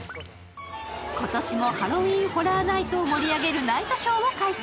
今年もハロウィーン・ホラー・ナイトを盛り上げるナイトショーを開催。